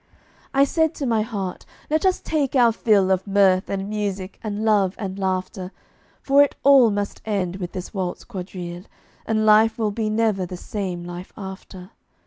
I said to my heart, "Let us take our fill Of mirth and music and love and laughter; For it all must end with this waltz quadrille, And life will be never the same life after.